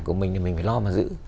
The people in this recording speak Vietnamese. của mình thì mình phải lo mà giữ